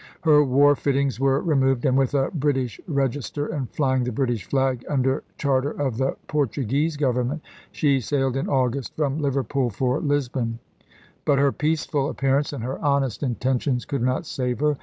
Her war fittings were re moved and, with a British register and flying the British flag, under charter to the Portuguese Gov ernment she sailed in August from Liverpool for Lis ?gSret' b°n But her peaceful appearance and her honest thfconfei intentions could not save her.